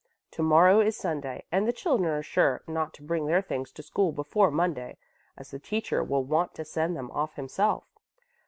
To morrow is Sunday and the children are sure not to bring their things to school before Monday, as the teacher will want to send them off himself."